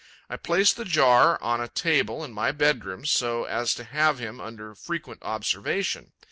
I placed the jar on a table in my bedroom, so as to have him under frequent observation.